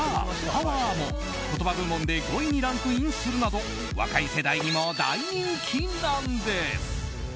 パワー！もコトバ部門で５位にランクインするなど若い世代にも大人気なんです。